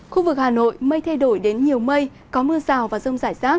khu vực hà nội mây thay đổi đến nhiều mây có mưa rào và rông rải rác